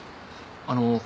あの。